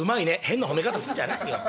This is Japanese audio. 「変な褒め方すんじゃないよ」。